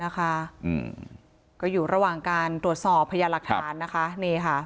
นะคะอืมก็อยู่ระหว่างการตรวจสอบพยานหลักฐานนะคะนี่ค่ะ